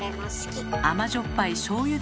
甘じょっぱいしょうゆ